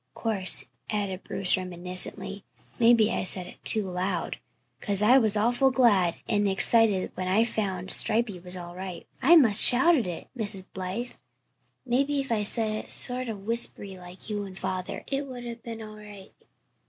'Course," added Bruce reminiscently, "maybe I said it too loud 'cause I was awful glad and excited when I found Stripey was all right. I 'most shouted it, Mrs. Blythe. Maybe if I'd said it sort of whispery like you and father it would have been all right.